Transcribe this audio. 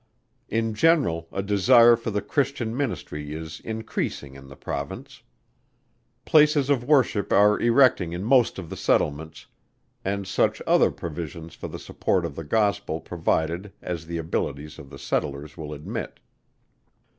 In general a desire for the christian Ministry is increasing in the Province. Places of worship are erecting in most of the settlements, and such other provision for the support of the Gospel provided as the abilities of the settlers will admit.